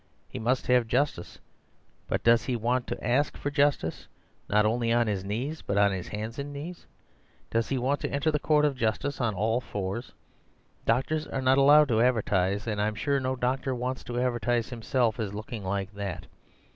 He must have justice; but does he want to ask for justice, not only on his knees, but on his hands and knees? Does he want to enter the court of justice on all fours? Doctors are not allowed to advertise; and I'm sure no doctor wants to advertise himself as looking like that.